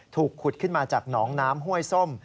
ถูกขุดขึ้นมาจากหนองน้ำห้วยส้ม